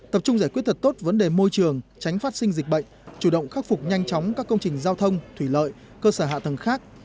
tập trung giải quyết thật tốt vấn đề môi trường tránh phát sinh dịch bệnh chủ động khắc phục nhanh chóng các công trình giao thông thủy lợi cơ sở hạ tầng khác